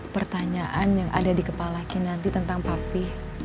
pertanyaan yang ada di kepala kinanti tentang papi